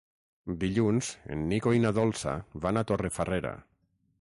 Dilluns en Nico i na Dolça van a Torrefarrera.